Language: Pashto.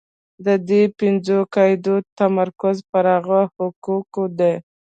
د دې پنځو قاعدو تمرکز پر هغو حقوقو دی.